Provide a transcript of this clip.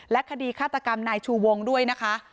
คดีฆาตกรรมนายชูวงด้วยนะคะ